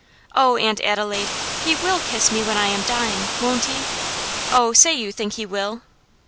Oh, Aunt Adelaide, he will kiss me when I am dying, won't he? Oh, say you think he will."